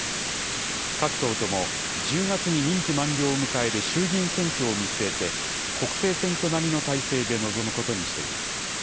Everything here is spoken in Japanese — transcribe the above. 各党とも、１０月に任期満了を迎える衆議院選挙を見据えて、国政選挙並みの態勢で臨むことにしています。